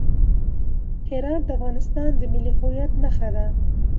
هرات د افغانستان د ملي هویت نښه ده.